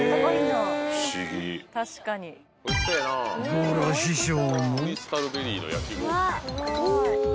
［ゴーラー師匠も］